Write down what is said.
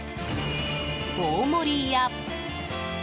大盛りや。